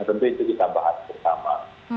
tentu itu kita bahas bersama